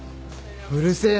うるせえな。